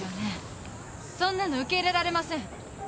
そんなの受け入れられません。